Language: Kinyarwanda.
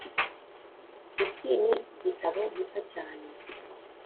Iki ni igitabo gito cyane